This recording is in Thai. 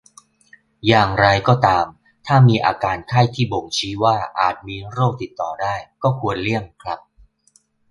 อย่างไรก็ตามถ้ามีอาการไข้ที่บ่งชี้ว่าอาจมีโรคติดต่อได้ก็ควรเลี่ยงครับ